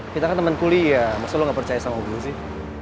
kita kan temen kuliah maksudnya lo gak percaya sama guru sih